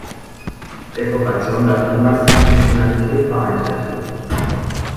Dekoration darf niemals die Funktionalität beeinträchtigen.